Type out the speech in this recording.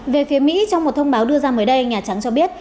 về phía mỹ trong một thông báo đưa ra mới đây nhà trắng cho biết